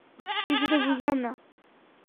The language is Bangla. কিছুটা বুঝলাম না!